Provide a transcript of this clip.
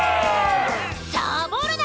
サボるな！